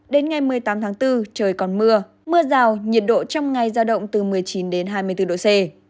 đến ngày một mươi tám tháng bốn trời còn mưa mưa rào nhiệt độ trong ngày giao động từ một mươi chín đến hai mươi bốn độ c